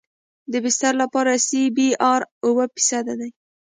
د بستر لپاره سی بي ار اوه فیصده دی